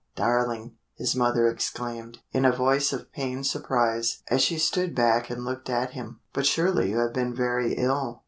darling!" his mother exclaimed, in a voice of pained surprise as she stood back and looked at him. "But surely you have been very ill.